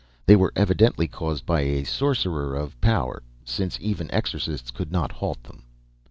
They were evidently caused by a sorcerer of power since even exorcists could not halt them.